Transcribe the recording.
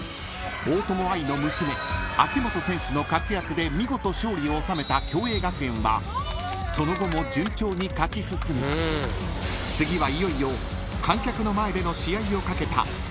大友愛の娘秋本選手の活躍で見事勝利を収めた共栄学園はその後も順調に勝ち進み次はいよいよ］